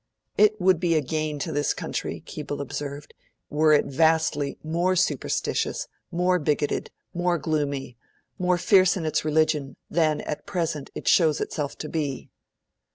'It would be a gain to this country,' Keble observed, 'were it vastly more superstitious, more bigoted, more gloomy, more fierce in its religion, than at present it shows itself to be.'